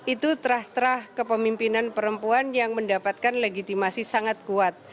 itu terah terah kepemimpinan perempuan yang mendapatkan legitimasi sangat kuat